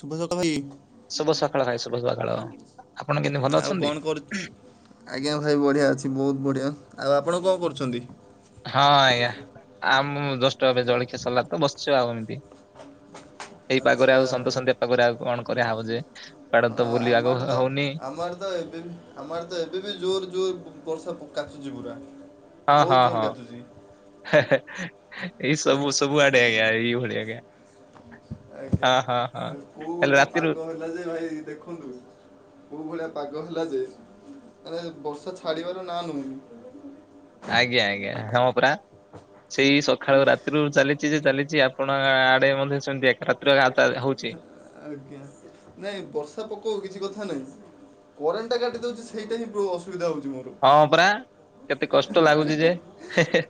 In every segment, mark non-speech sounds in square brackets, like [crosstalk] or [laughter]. ଶୁଭ ଦତ୍ତ ଭାଇ। ଶୁଭ ସକାଳ ଭାଇ ଶୁଭ ସକାଳ। ଆପଣ କେମିତି ଭଲ ଆଉ କଣ ଅଛନ୍ତି? କରୁ ଆଜ୍ଞା ଭାଇ ବଢ଼ିଆ ଅଛି ବହୁତ ବଢ଼ିଆ ଆଉ ଆପଣ କଣ କରୁଚନ୍ତି? ହଁ ଆଜ୍ଞା ଆମ ଜସ୍ଟ ଏବେ ଜଳଖିଆ ସରିଲା ତ ବସିଚୁ ଆଉ ଏମିତି। [inaudible] ଏଇ ପାଗରେ ଆଉ ସନ୍ତ ସନ୍ତିଆ ପାଗରେ ଆଉ କଣ କରିବା ହବ ଯେ? କୁଆଡେ ହଁ ତ ବୁଲିବାକୁ ଆମର ଆଡ଼େ ତ ହଉନି। ଆମର ଆଡ଼େ ତ ଏ ଏବେ ଆମ ଆଡ଼େ ତ ଏବେ ବି ଜୋର ଜୋର ବ ବର୍ଷା କାଚୁଛି ପୁରା। ହଁ ବହୁତ ହଁ ଜୋର ହଁ କାଚୁଛି ହେ ହେ ଏଇ ସବୁ ସବୁଆଡେ ଆଜ୍ଞା ଏଇ ଭଳିଆ ଆଜ୍ଞା। ଆଜ୍ଞା ହଁ ହଁ ହଁ। ଆ କୋଉ ହେଲେ ଗୋଟେ ରାତିରୁ ପାଗ ହେଲା ଯେ ଭାଇ ଦେଖ ଦେଖନ୍ତୁ କୋଉ ଭଳିଆ ପାଗ ହେଲା ଯେ ମାନେ ବର୍ଷା ଛାଡିବାର ନା ନଉନି। ଆଜ୍ଞା ଆଜ୍ଞା ହଁ ପରା ସେଇ ସକାଳୁ ରାତିରୁ ଚାଲି ଚି ଯେ ଚାଲିଛି ଆପଣ ଆଡେ ମଧ୍ୟ ସେମିତି ଏକ ରାତି [unintelligible] ହଉଛି। ଆଜ୍ଞା ନାଇଁ ବର୍ଷା ପକଉ କିଛି କଥା ନାଇଁ। କରେଣ୍ଟ ଟା କାଟି ଦଉଛି ସେଇଟା ହିଁ ପ୍ରୋ- ଅସୁବିଧା ହଉଛି ମୋର। ହଁ ପରା କେତେ କଷ୍ଟ ଲାଗୁଛି ଯେ ହେ ହେ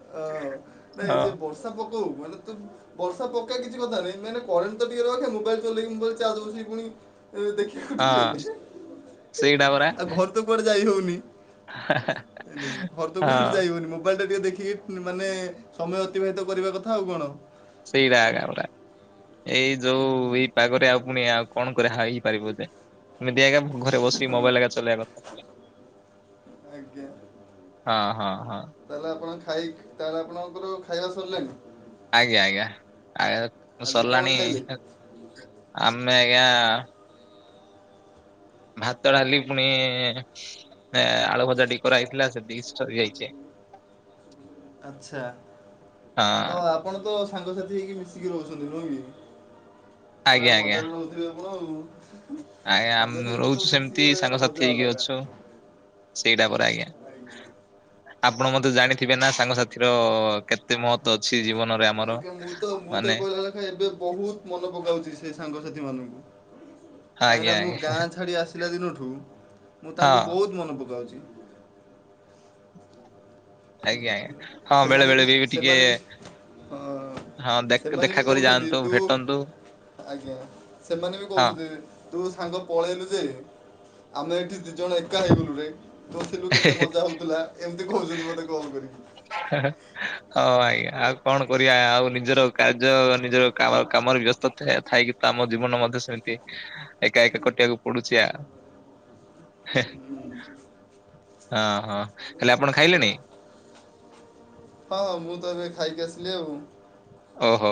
ହଁ। ବଷା ପକଉ ମାନେ ତ ବର୍ଷା ପକା କିଛି କଥା ନାଇ ମାନେ କରେଣ୍ଟ ତ ଟିକେ ରଖେ ମୋବାଇଲ ଚଲେଇ ଦେଖିମି ବୋଲି ଚାର୍ଜ ବସେଇ ପୁଣି ଦେଖି ହଁ। ସେଇଟା ପରା। ଆଉ ଘରୁ ତ କୁଆଡେ ଯାଇ ହଉନି। ଏମିତି ଘରେ ତ କୁଆଡେ ହଁ ଯାଇବନି ମୋବାଇଲ ଟା ଟିକେ ଦେଖିକି ଉଁ ମାନେ ସମୟ ଅତିବାହିତ କରିବା କଥା ଆଉ କଣ। ସେଇଟା ଏକା ପରା। ଏଇ ଯୋଉ ଏଇ ପାଗରେ ଆଉ ପୁଣି ଆଉ କଣ କରା ହେଇପାରିବ ଯେ? ଏମିତି ଆଜ୍ଞା ଘରେ ବସିିକି ମୋବାଇଲ ଏକା ଚଲେଇଆ କଥା। ଆଜ୍ଞା। ହଁ ହଁ ହଁ। ତାହେଲେ ଆପଣ ଖାଇ ତାହେଲେ ଆପଣଙ୍କର ଖାଇବା ସରିଲାଣି? ଆଜ୍ଞା ଆଜ୍ଞା ଆଜ୍ଞ ଆଜି କଣ ସରିଲାଣି ଖାଇଲେ ଆମେ ଆଜ୍ଞା ଭାତ, ଡାଲି ପୁଣି ନା ଆଳୁ ଭଜା ଟିକେ କରାହେଇଥିଲା ସେତିକି ସରିଯାଇଛି। ଆଛା ହଁ। ଓ ଆ ଆପଣ ତ ସାଙ୍ଗସାଥି ହେଇକି ମିଶିକି ରହୁଛନ୍ତି ନୁହେଁ କି ଆଜ୍ଞା ପୁରା ଆଜ୍ଞା ମଜାରେ ରହୁଥିବେ ବଉଁ। ଆଜ୍ଞା ଆମ ରହୁଛୁ ସେମିତି ସାଙ୍ଗସାଥି ମଜା ହେଇକି ଅଲଗା। ଅଛୁ ସେଇଟା ପରେ ଆଜ୍ଞା। ଆପଣ ମତେ ଜାଣିଥିବେ ନା ସାଙ୍ଗସାଥିର କେତେ ମହତ୍ୱ ଅଛି ଜୀବନରେ ଆମ ଆଜ୍ଞା ମୁଁ ତ ମୁଁ ତ କହିଲା ଲେଖା ଏବେ ବହୁତ ମନେ ପକାଉଛି ସେ ସାଙ୍ଗସାଥି ମାନଙ୍କୁ କାହିଁକି ଆଜ୍ଞା ନା ମୁଁ ଆଜ୍ଞା ଗାଁ ଛାଡି ଆସି- ଲା ଦିନଠୁ ମୁଁ ହଁ। ତାଙ୍କୁ ବହୁତ ମନେ ପକାଉଛି। ଆଜ୍ଞା ଆଜ୍ଞା ହଁ ବେଳେ ସେମାନେ ବେଳେ ବି ଟିକେ ସେମାନେ ବି ହଁ ହଁ ଦେଖ ସେମାନେ ବି ଦେଖା କରି କହୁଛନ୍ତି ଯାଆନ୍ତୁ ତୁ ଭେଟନ୍ତୁ। ଆଜ୍ଞା ସେମାନେ ବି ହଁ କହୁଛନ୍ତି ତୁ ସାଙ୍ଗ ପଳେଇଲୁ ଯେ ଆମେ ଏଠି ଦି ଜଣ ଏକା ହେଇଗଲୁ ରେ। ତୁ ଥିଲୁ କେତେ ମଜା ହଉଥିଲା ଏମିତି କହୁଛନ୍ତି ମତେ କଲ୍ କରିକି। [unintelligible] ହଁ, ଆଜ୍ଞା ଆଉ କଣ କରିବା ଆଉ ନିଜର କାର୍ଯ୍ୟ ନିଜର କାମ କାମରେ ବ୍ୟସ୍ତ ଥା ଥାଇକି ତ ଆମ ଜୀବନ ମଧ୍ୟ ସେମିତି ଏକା ଏକା କଟିବାକୁ ପଡୁଛି ଆଉ। ହଁ, ହଁ ହେଲେ ଆପଣ ଖାଇଲେଣି? ହଁ, ମୁଁ, ତ ଏବେ ଖାଇକି ଆସିଲି ଆଉ। ଓହୋ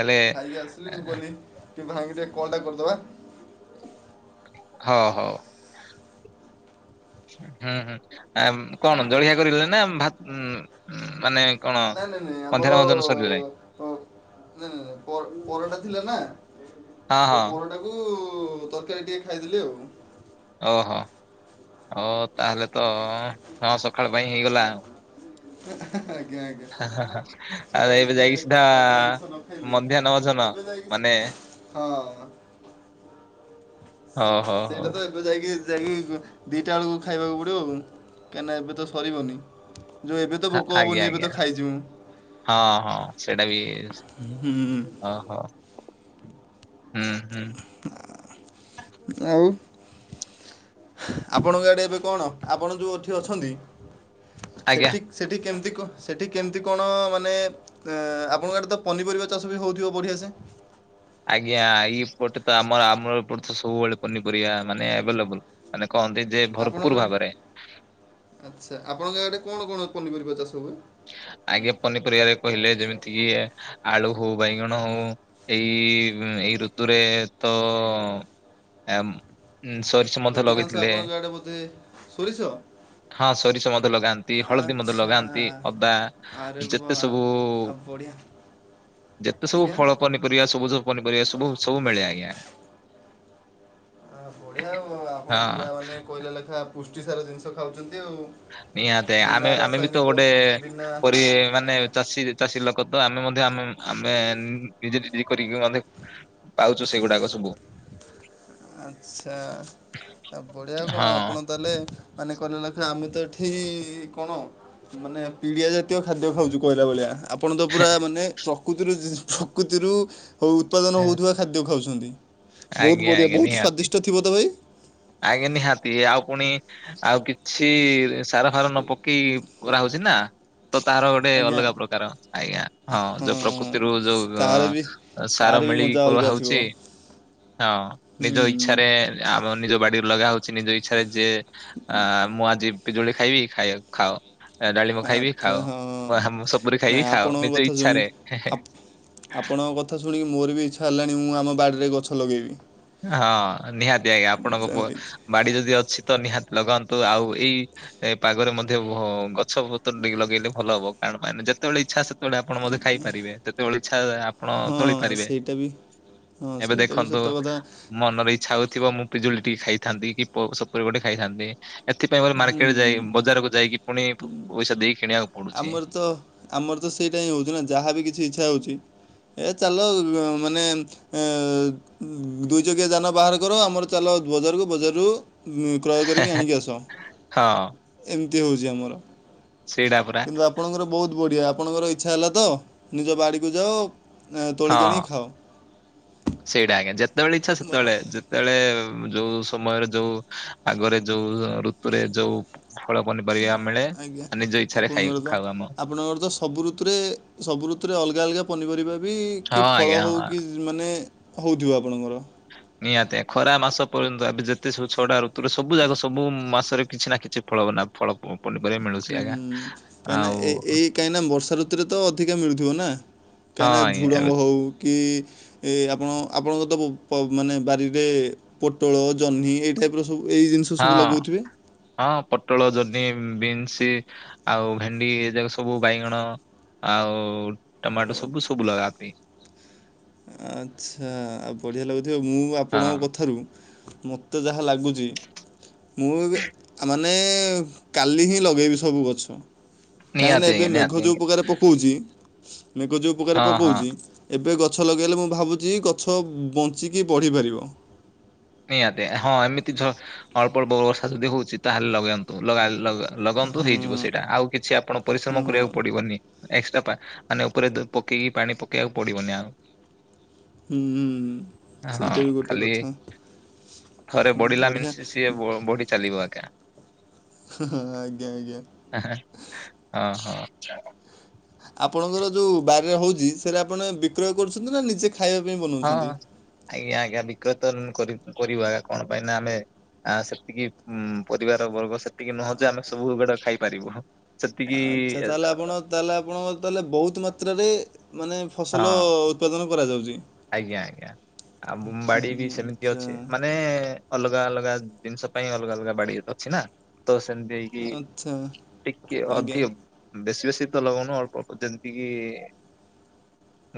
ହେଲେ ଭାଇ ଙ୍କି ଟିକେ କଲ୍ ଟା କରିଦବା। ହଁ, ହଉ। ହୁଁ, ହୁଁ, ଆ କଣ ଜଳିଖିଆ କରିକି ଗଲେ ନା ଭା- ମାନେ କଣ ନା ନାଇଁ, ନାଇଁ, ନାଇଁ, ମଧ୍ୟାହ୍ନ ଆମର ଭୋଜନ ସରିଲାଣି? ପ- ନାଁ ନାଁ ପର- ପରଟା ଥିଲା ନା। ହଁ, ହଁ। ଭାତ କୁ ତରକାରୀ ଟିକେ ଖାଇଦେଲିି ଆଉ। ଓହୋ ଓ ତାହେଲେ ତ ହଁ ସଖାଳ ପାଇଁ ହେଇଗଲା ଆଉ। ହେଁ ହେଁ ଆଜ୍ଞା ଆଜ୍ଞା। ଆ, ହା, ହା, ଆଉ ସକାଳୁ ଏବେ ଟିକେ ଯାଇକି ସିଧା ହାଲକା ଜିନିଷ ନ ଖାଇଲି ମଧ୍ୟାହ୍ନ ଭୋଯନ ଏବେ ଯାଇକି ମାନେ ହଁ। ଓ ହ ହଉ। ତୁ ଯାଇକି ଯାଇକି ଦି ଟା ବେଳକୁ ଖାଇବାକୁ ପଡ଼ିବ ଆଉ କାହିଁକିନା ଏବେ ତ ସରିବନି। ଯୋଉ ଏବେ ତ ଆ- ଭୋକ ଆଜ୍ଞା ହବନି ଏବେ ଆଜ୍ଞା ତ ଖାଇଚି ମୁଁ। ହଁ, ହଁ, ସେଇଟା ବି ହୁଁ ଅ ହଁ। ହୁଁ, ହୁଁ। ଆଉ ଆପଣଙ୍କ ଆଡେ ଏବେ କଣ ଆପଣ ଯେଉଁ ଏଠି ଅଛନ୍ତି ଆଜ୍ଞା ସେଠି ସେଠି କେମିତି କଣ ସେଠି କେମିତି କଣ ମାନେ ଆପଣଙ୍କ ଆଡ଼େ ତ ପନିପରିବା ଚାଷ ବି ହେଉଥିବ ବଢ଼ିଆ ସେ? ଆଜ୍ଞା ଇପଟେ ତ ଆମ ଆମର ଏପଟେ ତ ସବୁବେଳେ ପନିପରିବା ମାନେ ଆଭେଲେବୁଲ। ମାନେ କହନ୍ତି ଯେ ଭରପୁର ଭାବରେ। ଆଛା ଆପଣଙ୍କ ଆଡେ କଣ କଣ ପନିପରିବା ଚାଷ ହୁଏ? ଆଗେ ପନି ପରିବାରେ କହିଲେ ଯେମିତି କି ଆଳୁ ହଉ, ବାଇଗଣ ହଉ, ଏଇ ଏଇ ଋତୁରେ ତ ଆମ୍ ଉ ସରି ଅଧିକାଂଶ ଆପଣଙ୍କ ଆଡେ ବୋଧେ ସୋରିଷ? ହଁ, ସୋରିଷ ମଧ୍ୟ ଲଗାନ୍ତି ହଳଦୀ ମଧ୍ୟ ଆଚ୍ଛା ଲଗାନ୍ତି। ଅଦା ଆରେ ବା ଯେତେ ସବୁ ଆଉ ବଢ଼ିଆ ଯେତେ ସବୁ ଆଜ୍ଞା ଫଳ ପନି ପରିବା ସବୁଜ ପନିରିବା ସବୁ ସବୁ ମିଳେ ଆଜ୍ଞା। ହ ବଢ଼ିଆ ଆଉ ଆପଣ ହଁ ପୁରା ମାନେ କହିଲେ ଲେଖା ପୁଷ୍ଟିସାର ଜିନିଷ ଖାଉଚନ୍ତି ଆଉ। ନିହାତି ବିନା ଆମେ ଆମେ ବି ତ ରାସାୟନିକ ଗୋଟେ ବିନା ପରି ମାନେ ଆଜ୍ଞା ଚାଷୀ ଚାଷୀ ଲୋକ ତ ଆମେ ମଧ୍ୟ ଆମେ ଆମେ ନିଜେ, ନଜେ କରିକି ମଧ୍ୟ। ପାଉଚୁ ସେଗୁଡାକ ସବୁ। ଆଛା ଆ ବଢିଆ ଆଉ କଣ ହଁ ଆପଣ ତା ହେଲେ ମାନେ କହିଲା ଲେଖା ଆମେ ତ ଏଠି କଣ ମାନେ ପିଡିଆ ଜାତୀୟ ଖାଦ୍ୟ ଖାଉଚୁ କହିଲା ଭଳିଆ। ଆପଣ ତ ପୁରା ମାନେ ପ୍ରକୃତି ରୁ ପ୍ରକୃତି ରୁ ଉତ୍ପାଦନ ହେଉଥିବା ଖାଦ୍ୟ ଖାଉଛନ୍ତି। ବହୁତ ଆଜ୍ଞା ବଢ଼ିଆ ଆଜ୍ଞା ବହୁତ ନିହତି। ସ୍ଵାଦିଷ୍ଟ ଥିବ ତ ଭାଇ? ଆଜ୍ଞା ନିହାତି ଆଉ ପୁଣି ଆଉ କିଛି ସାର ଫାର ନ ପକେଇ କରାହଉଚି ନା। ତ ତାହାର ଗୋଟେ ଆଜ୍ଞା ଅଲଗା ପ୍ରକାର ଆଜ୍ଞା ହଁ ଯୋଉ ପ୍ରକୃତିରୁ ହଁ ଯୋଉ ତାର ବି ଅ ତାର ସାର ବି ମିଳିକି ମଜା କରା ଅଲଗା ଥିବ। ହଉଚି। [inaudible] ହଁ ହୁଁ ନିଜ ଇଚ୍ଛାରେ ଆମ ନିଜ ବାଡିରୁ ଲଗା ହଉଚି ନିଜ ଇଚ୍ଛାରେ ଯ ଆ ମୁଁ ଆଜି ପିଜୁଳି ଖାଇବି ଖାଇ ଖାଅ ଡାଳିମ ଖାଇବି ଆଚ୍ଛା ହଁ। ଖାଅ ମ ସବୁରି ଖାଇବି ନାଇଁ ଖାଅ ଆପଣଙ୍କ ନିଜ କଥା ଶୁଣି ଇଚ୍ଛାରେ। ଆପ ଆପଣଙ୍କ କଥା ଶୁଣିକି ମୋର ବି ଇଚ୍ଛା ହେଲାଣି ମୁଁ ଆମ ବାଡ଼ିରେ ଗଛ ଲଗେଇବି। ହଁ ନିହାତି ଆଜ୍ଞା ଆପଣଙ୍କ ପୁ ଆଜ୍ଞା ବାଡି ଯଦି ଅଛି ତ ନିହାତି ଲଗାନ୍ତୁ। ଆଉ ଏଇ ଏ ପାଗରେ ମଧ୍ୟ ଗଛ ପତ୍ର ଟିକେ ଲଗେଇଲେ ଭଲ ହବ କାରଣ ମାନେ ଯେତେବେଳେ ଇଚ୍ଛା ସେ ସେତେବେଳେ ଆପଣ ମଧ୍ୟ ଖାଇପାରିବେ ଯେତେବେଳେ ଇଛା ଆପଣ ହଁ ତୋଳି ପାରିବେ। ସେଇଟା ବି ହଁ ଏବେ ସେଇଟା ବି ସତ ଦେଖନ୍ତୁ କଥା ମନର ଇଚ୍ଛା ହଉଥିବ ମୁଁ ପିଜୁଳି ଟି ଖାଇଥାନ୍ତି କି ପ ସପୁରୀ ଗୋଟେ ଖାଇଥାନ୍ତି। ଏଥିପାଇଁ ବୋଧେ ମାର୍କେଟ ହୁଁ ଯାଇ ବଜାରକୁ ଯାଇକି ପୁଣି ପଇସା ଦେଇକି କିଣିବାକୁ ପଡୁଚି। ଆମର ତ ଆମର ତ ସେଇଟା ହିଁ ହଉଛି ନା ଯାହାବି କିଛି ଇଚ୍ଛା ହଉଛି ଏ ଚାଲ ଉ ମାନେ ଦୁଇ ଚକିଆ ଯାନ ବାହାର କର ଆମର ଚାଲ ବଜାରକୁ ବଜାରରୁ କ୍ରୟ କରିକି ଆଣିକି ଆସ। ହଁ। ଏମିତି ହଉଛି ଆମର। ସେଇଡ଼ା ପରା। କିନ୍ତୁ ଆପଣଙ୍କର ବହୁତ ବଢ଼ିଆ ଆପଣଙ୍କର ଇଚ୍ଛା ହେଲା ତ ନିଜ ବାଡ଼ିକୁ ଯାଅ ତୋଳିକି ହଁ। ଆଣି ଖାଅ। ସେଇଟା ଆଜ୍ଞା ଯେତେବେଳେ ଇଚ୍ଛା ସେତେବଳେ ଆ ସେତେବେଳେ ଯୋଉ ସମୟରେ ଯୋଉ ଆଗରେ ଯୋଉ ଋତୁରେ ଯୋଉ ଫଳ,, ପନିପରି କୁ ମିଳେ ଆଜ୍ଞା ଆଉ ନିଜ ଇଚ୍ଛା ରେ ଖାଏ ଆପଣଙ୍କର ତ ଖାଉ। ଆମ ଆପଣଙ୍କର ତ ସବୁ ଋତୁରେ ସବୁ ଋତୁରେ ଅଲଗା ଅଲଗା ପନିପରିବା ବି ହଁ କି ଫଳ ଆଜ୍ଞା ହେଉ ହଁ କି ମାନେ ହଉଥିବ ଆପଣଙ୍କର ନିହାତି ଖରା ମାସ ପର୍ଯ୍ୟନ୍ତ ଏବେ ଯେତେ ସବୁ ଛଡା ଋତୁରେ ସବୁ ଯାଗ ସବୁ ମାସରେ କିଛି ନା କିଛି ଫଳ ଫଳ ପନିପରିବା ମିଳୁଛି ହୁଁ ଆଜ୍ଞା ଆଉ ସେଥିରେ ତ ଅଧିକା ମିଳୁଥିବ ନା କାହିଁକିନା ଆଜ୍ଞା ଏବେ ଝୁଡ଼ଙ୍ଗ ହଉ କି ଏ ଆପଣ ଆପଣଙ୍କ ତ ମାନେ ବାରିରେ ପୋଟଳ ଜହ୍ନି ଏଇଟାଇପ ପୁରା ସବୁ ଏଇ ଜିନିଷ ହଁ ସବୁ ଲଗଉଥିବେ ହଁ ପୋଟଳ ଜହ୍ନି ବିନ୍ସ ଆଉ ଭେଣ୍ଡି ଏ ଯାକ ସବୁ ବାଇଗଣ ଆଉ ଟମାଟୋ ସବୁ ସବୁ ଲଗାନ୍ତି। ଆଚ୍ଛା ଆଉ ବଢ଼ିଆ ଲାଗୁଥିବ ମୁଁ ହଁ ଆପଣଙ୍କ କଥାରୁ ମତେ ଯାହା ଲାଗୁଛି ମୁଁ ଏବେ ମାନେ କାଲି ହିଁ ଲଗାଇବି ସବୁ ଗଛ। କାହିଁ ନିହାତି ନା ଏବେ ଆଜ୍ଞା ନିହାତି ମେଘ ଯୋଉ ଆଜ୍ଞା ଉପକାର ପକଉଛି ମେଘ ଯଉ ଉପକାର ହଁ ହଁ ପକଉଛି ଏବେ ଗଛ ଲଗାଇଲେ ମୁଁ ଭାବୁଛି ଗଛ ବଞ୍ଚିକି ବଢ଼ିପାରିବ। ନିହାତି ହଁ ଏମିତି ଅଳ୍ପ ଅଳ୍ପ ବ ବର୍ଷା ଯଦି ହଉଛି ତାହେଲେ ଲଗାନ୍ତୁ ଲଗା ଲଗନ୍ତୁ ହଁ ହେଇଯିବ ସେଇଟା ଆଉ କିଛି ଆପଣ ପରିଶ୍ରମ କରିବାକୁ ହଁ ପଡିବନି ଏକ୍ସଟ୍ରା ଆାନେ ଉପରେ ପକେଇ ପାଣି ପକେଇବାକୁ ପଡିବନି ଆଉ ହୁଁ ହୁଁ ହଁ ସେଇଟା ବି ଗୋଟେ ଖାଲି କଥା। ଥରେ ବଢିଲା ବଢ଼ିଆ ମିନ୍ସି ସିଏ ବଢି ଚାଲିବ ଏକା। ହଁ ଆଜ୍ଞା ଆଜ୍ଞା। ହଁ ହଁ। ଆପଣଙ୍କର ଯୋଉ ବାରିରେ ହଉଛି ସେଟରେ ଆପଣ ବିକ୍ରୟ କରୁଛନ୍ତି ନା ନିଜେ ଖାଇବା ପାଇଁ ବନଉଛନ୍ତି? ହଁ ଆଜ୍ଞା ଆଜ୍ଞା ବିକ୍ରୟ କରିବା ଆ କଣ ପାଇଁ ନା ଆମେ ଆ ସେତିକି ଉ ପରିବାର ବର୍ଗ ସେତିକି ନୁହଁ ଯେ ଆମେ ସବୁ ଗୁଡା ଖାଇପାରିବୁ। ସେତିକି ଆଚ୍ଛା ତାହେଲେ ଆପଣ ତାହେଲେ ଆପଣଙ୍କ ତହେଲେ ବହୁତ ମାତ୍ରାରେ ମାନେ ଫସଲ ହଁ ଉତ୍ପାଦନ କରାଯାଉଛି। ଆଜ୍ଞା ଆଜ୍ଞା ଆଉ ବୋମ୍ବାଡି ବି ସେମିତି ଆଚ୍ଛା ଅଛି ମାନେ ଅଲଗା ଅଲଗା ଜିନିଷ ପାଇଁ ଅଲଗା ଅଲଗା ବାଡି ଅଛି ନା। ତ ସେମିତି ହେଇକି ଆଚ୍ଛା ଟିକେ ଆଜ୍ଞା ଅଧି ବେଶୀ ବେଶୀ ତ ଲଗଉନୁ ଅଳ୍ପ ଅଳ୍ପ ଯେମତି କି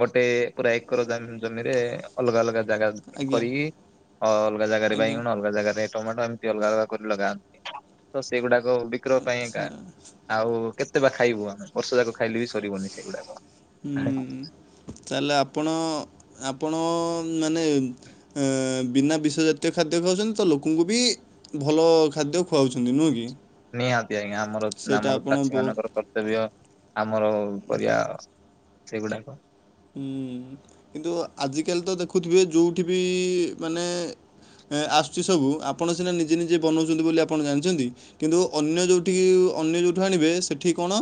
ମୋଟେ ପୁରା ଏକର ଜାମି। ଜମିରେ ଅଲଗା ଅଲଗା ଜାଗା ଆଜ୍ଞା କରିକି ଅ ଅଲଗା ଜାଗାରେ ଆଜ୍ଞା ବାଇଗଣ ଅଲଗା ଜାଗାରେ ଟମାଟୋ ଏମିତି ଅଲଗା ଅଲଗା କରି ଲଗାନ୍ତି ତ ସେଗୁଡାକ ବିକ୍ରୟ ପାଇଁ ଆଚ୍ଛା ଏକା ଆଉ କେତେ ବା ଖାଇବୁ ଆମେ ବର୍ଷ ଯାକ ଖାଇଲେ ବି ସରିବନି ସେଇଗୁଡାକ। ହୁଁ ତାହଲେ ଆପଣ ଆପଣ ମାନେ ବିନା ବିଶଜାତୀୟ ଖାଦ୍ୟ ଖାଉଛନ୍ତି ତ ଲୋକଙ୍କୁ ବି ଭଲ ଖାଦ୍ୟ ଖୁଆଉଛନ୍ତି ନୁହେଁ କି? ନିହାତି ଆଜ୍ଞା ଆମର ସେଇଟା ଆମର ଆପଣ ଚାଷୀ ବହୁତ ମାନଙ୍କର କର୍ତ୍ତବ୍ୟ ଆମର ପରିବା ସେଗୁଡାକ। ହୁଁ କିନ୍ତୁ ଆଜିକାଲି ତ ଦେଖୁଥିବେ ଯଉଠି ବି ମାନେ ଏଁ ଆସୁଛି ସବୁ ଆପଣ ସିନା ନିଜେ ନିଜେ ବନଉଛନ୍ତି ବୋଲି ଆପଣ ଜାଣିଛନ୍ତି। କିନ୍ତୁ ଅନ୍ୟ ଯୋଉଠିକି ଅନ୍ୟ ଯୋଉଠୁ ଆଣିବେ ସେଠି କଣ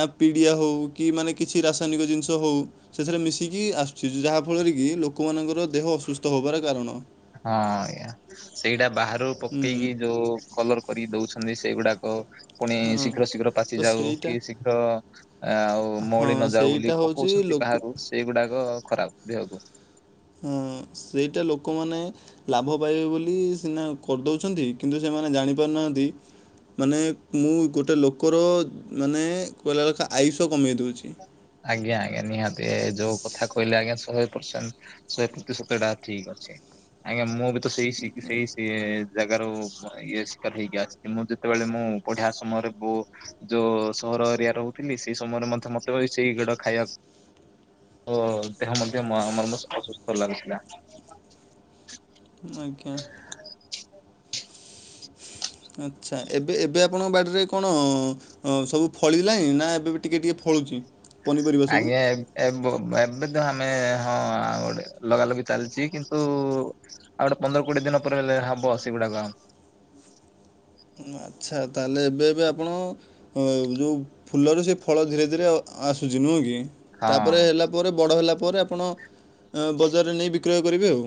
ନା ପିଡ଼ିଆ ହଉ କି ମାନେ କିଛି ରାସାୟନିକ ଜିନିଷ ହଉ ସେଥରେ ମିଶିକି ଆସୁଛି ଯାହା ଫଳରେ କି ଲୋକମାନଙ୍କର ଦେହ ଅସୁସ୍ଥ ହବାର କାରଣ। ହଁ ଆଜ୍ଞା ସେଇଟା ବାହାରୁ ହୁଁ ପକେଇକି ଯୋଉ କଲର କରିକି ଦଉଛନ୍ତି ସେଇଗୁଡାକ ପୁଣି ହଁ ଶୀଘ୍ର ଶୀଘ୍ର ପାଚି ତ ଯାଉ ସେଇଟା କି ଶୀଘ୍ର ଆଉ ହଁ ମଉଳି ନଯାଉ ସେଇଟା ବୋଲି ହେଉଛି ପକଉଛନ୍ତି ଲୋକ ବାହାରୁ ସେଇଗୁଡାକ ଖରାପ୍ ଦେହକୁ। ହୁଁ ସେଇଟା ଲୋକମାନେ ଲାଭ ପାଇବେ ବୋଲି ସିନା କରଦଉଛନ୍ତି କିନ୍ତୁ ସେମାନେ ଜାଣି ପାରୁନାହାନ୍ତି ମାନେ ମୁଁ ଗୋଟେ ଲୋକର ମାନେ କହିଲାବେଳକା ଆୟୁଷ କମେଇ ଦେଉଛି। ଆଜ୍ଞା ଆଜ୍ଞା ନିହାତି ଆ ଯୋଉ କଥା କହିଲେ ଆଜ୍ଞା ଶହେ ପରସେଣ୍ଟ। ଶହେ ପ୍ରତିଶତଟା ଠିକ୍ ଅଛି ଆଜ୍ଞା ମୁଁ ବି ତ ସେଇ ସେଇ ଜାଗାରୁ ଇଏ ଶିକାର ହେଇକି ଆସିଛି ମୁଁ ଯେତେବେଳେ ମୁଁ ପଢିବା ସମୟରେ ବୋ ଯୋଉ ସହର ଏରିଆରେ ରହୁଥିଲି ସେଇ ସମୟରେ ମଧ୍ୟ ମତେ ସେଇ ଗୁଡା ଖାଇବାକୁ ଓ ଦେହ ମଧ୍ୟ ମ ମର୍ମସତ ଅସୁସ୍ଥ ଲାଗୁଥିଲା। ମୁଁ ଆଜ୍ଞା। ଆଚ୍ଛା ଏବେ ଏବେ ଆ ଆପଣଙ୍କ ବାଡ଼ିରେ କଣ ଅଁ ଅଁ ସବୁ ଫଳିଲାଣି ନା ଏବେ ଟିକେ ଟିକେ ଫଳୁଛି? ପନିପରିବା ସବୁ ଆଜ୍ଞା ଏ ବୋଉ ଏବେ ତ ଆମେ ହଁ ଗୋଟେ ଲଗା ଲଗି ଚାଲିଛି କିନ୍ତୁ ଆଉ ଗୋଟେ ପନ୍ଦର କୋଡିଏ ଦିନ ପରେ ହେଲେ ହବ ସେ ଗୁଡାକ ଆ ହୁଁ ଆଚ୍ଛା ତାହେଲେ ଏବେ ଏବେ ଆପଣ ହଁ ଯୋଉ ଫୁଲରୁ ସେ ଫଳ ଧୀରେ ଧୀରେ ଅ ଆସୁଛି ନୁହେଁ କି? ହଁ। ତାପରେ ହେଲା ପରେ ବଡ଼ ହେଲା ପରେ ଆପଣ ଅଁ ବଜାରରେ ନେଇ ବିକ୍ରୟ କରିବେ ଆଉ।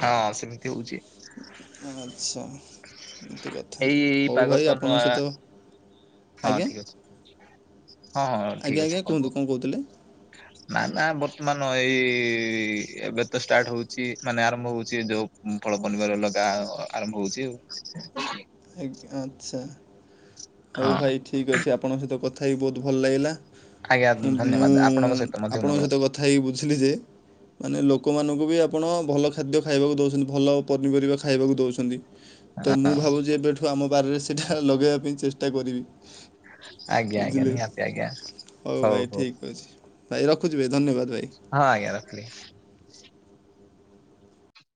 ହଁ ସେମିତି ହଉଚି। ଆଚ୍ଛା ଏମିତି କଥା ଏଇ ଏଇ ହଉ ପାଗ ଭାଇ ତ ଆପଣଙ୍କ ନୂଆ ସହିତ ହଁ ଆଜ୍ଞା ଠିକ୍ ଅଛି। ହଁ ହଁ ଆଜ୍ଞା ଠିକ୍ ଆଜ୍ଞା ଅଛି [inaudible] କୁହନ୍ତୁ କ'ଣ କହୁଥିଲେ। ନା ନା ବର୍ତ୍ତମାନ ଏଇ ଏବେ ତ ଷ୍ଟାର୍ଟ ହଉଛି ମାନେ ଆରମ୍ଭ ହଉଛି ଯୋଉ ଫଳ ପନିପରିବା ଲଗା ଆରମ୍ଭ ହଉଛି ଆଉ। ଆଜ୍ଞା ଆଚ୍ଛା ହଉ ହଁ ଭାଇ ଠିକ୍ ଅଛି ଆପଣଙ୍କ ସହିତ କଥା ହେଇ ବହୁତ ଭଲ ଲାଗିଲା। ଆଜ୍ଞା ମୁଁ ଧନ୍ୟବାଦ ଆପଣଙ୍କ ସହିତ ମଧ୍ୟ ମୋର ଆପଣଙ୍କ ସହିତ କଥା ହେଇକି ବୁଝିଲି ଯେ, ମାନେ ଲୋକମାନଙ୍କୁ ବି ଆପଣ ଭଲ ଖାଦ୍ୟ ଖାଇବାକୁ ଦଉଛନ୍ତି ଭଲ ପନିପରିବା ଖାଇବାକୁ ଦଉଛନ୍ତି। ତ ମୁଁ ଭାବୁଛି ଏବେଠୁ ଆମ ବାରିରେ ସେଟା ଲଗେଇବା ପାଇଁ ଚେଷ୍ଟା କରିବି। ଆଜ୍ଞା ଆଜ୍ଞା ବୁଝିଲେ ନିହାତି ଆଜ୍ଞା ହଉ ଭାଇ ଠିକ୍ ଅଛି, ଭାଇ ରଖୁଛି ଭାଇ ଧନ୍ୟବାଦ ଭାଇ। ହଁ ଆଜ୍ଞା ରଖିଲି।